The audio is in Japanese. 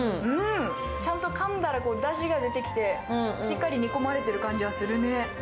ちゃんとかんだら、だしが出てきてしっかり煮込まれてる感じがするね。